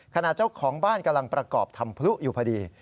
เจ้าของบ้านกำลังประกอบทำพลุอยู่พอดี